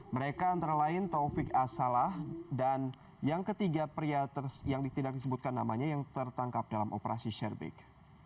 mereka antara lain taufik asallah dan yang ketiga pria yang tidak disebutkan namanya yang tertangkap dalam operasi share big